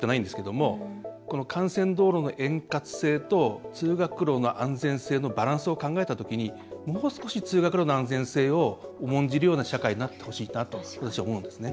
も幹線道路の円滑性と通学路の安全性のバランスを考えたときにもう少し、通学路の安全性を重んじるような社会になってほしいなと私は思うんですね。